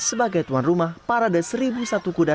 sebagai tuan rumah parade seribu satu kuda